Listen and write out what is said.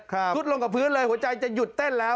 สุดลงกับพื้นเลยหัวใจจะหยุดเต้นแล้ว